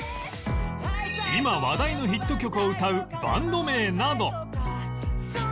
今話題のヒット曲を歌うバンド名など